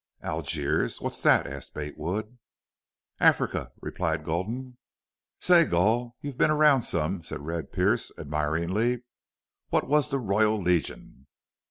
"Algiers. What's thet?" asked Bate Wood. "Africa," replied Gulden. "Say, Gul, you've been around some," said Red Pearce, admiringly. "What was the Royal Legion?"